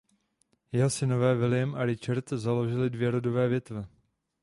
Jeho synové William a Richard založili dvě rodové větve.